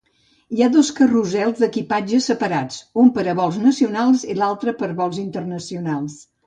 Hi ha dos carrusels d'equipatge separats, un per a vols nacionals i l'altre per a vols internacionals.